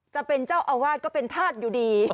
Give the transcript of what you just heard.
จะเป็นเจ้าอาวาสก็เป็นธาตุอยู่ดี